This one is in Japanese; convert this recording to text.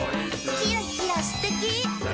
「キラキラすてき！」